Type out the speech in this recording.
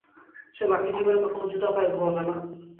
সে বাকি জীবনে কখনো জুতো পায়ে ঘুমুবে না।